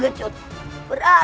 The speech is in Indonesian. dan itu adalah